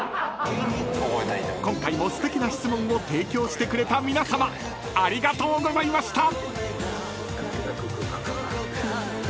［今回もすてきな質問を提供してくれた皆さまありがとうございました！］